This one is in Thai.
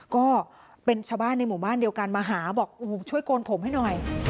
ก็เป็นชาวบ้านในหมู่บ้านเดียวกันมาหาบอกโอ้โหช่วยโกนผมให้หน่อย